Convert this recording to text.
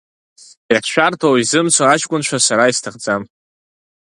Иахьшәарҭоу изымцо аҷкәынцәа сара исҭахӡам!